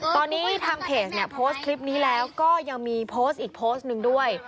ตอนนี้ทางเพจเนี่ยโพสต์คลิปนี้แล้วก็ยังมีโพสต์อีกโพสต์หนึ่งด้วย